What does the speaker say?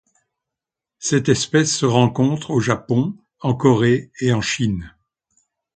Cette espèce se rencontre au Japon, en Corée et en Chine.